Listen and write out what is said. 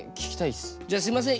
じゃすいません。